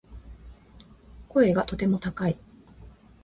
声がとても高い